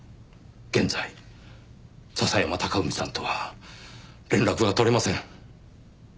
現在笹山隆文さんとは連絡が取れません。